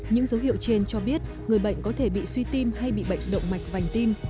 những dấu hiệu trên cho biết người bệnh có thể bị suy tim hay bị bệnh động mạch vành tim